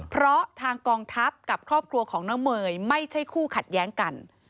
เพราะทางกองทัพกับครอบครัวของน้องเมย์ไม่ใช่คู่ขัดแย้งกัน